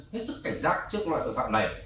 hết sức cảnh giác trước loại tội phạm này